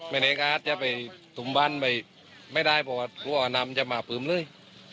ไม่ได้การที่จะไปถุงบ้านไปไม่ได้เพราะว่าน้ำจะมาปลืมเลย